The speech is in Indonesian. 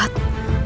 aku tidak percaya